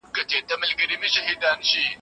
طالبه كله به ملا سي